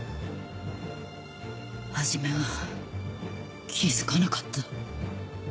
初めは気付かなかった。